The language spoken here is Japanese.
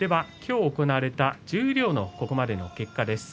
今日、行われた十両のここまでの結果です。